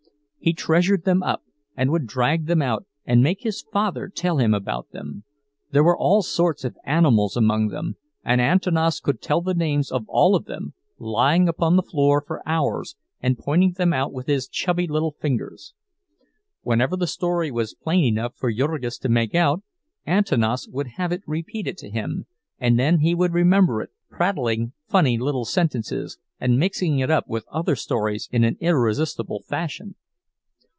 He treasured them up, and would drag them out and make his father tell him about them; there were all sorts of animals among them, and Antanas could tell the names of all of them, lying upon the floor for hours and pointing them out with his chubby little fingers. Whenever the story was plain enough for Jurgis to make out, Antanas would have it repeated to him, and then he would remember it, prattling funny little sentences and mixing it up with other stories in an irresistible fashion.